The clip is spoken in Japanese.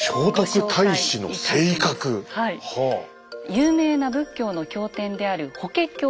有名な仏教の経典である「法華経」。